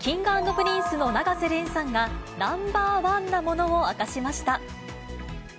Ｋｉｎｇ＆Ｐｒｉｎｃｅの永瀬廉さんが、ナンバーワンなものを明かしました。